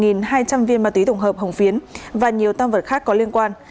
mỗi túi có một hai trăm linh viên ma túy tổng hợp hồng phiến và nhiều tam vật khác có liên quan